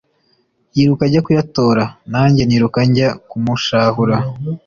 Yiruka ajya kuyatora, Nanjye niruka njya kumushahura.